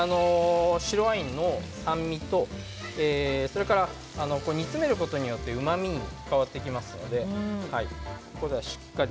白ワインの酸味とそれから煮詰めることによってうまみに変わってきますのでここではしっかりと。